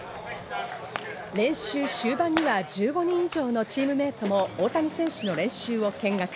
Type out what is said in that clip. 練習終盤には１５人以上のチームメートも大谷選手の練習を見学。